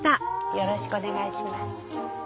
よろしくお願いします。